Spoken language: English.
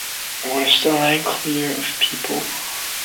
Was the line clear of people?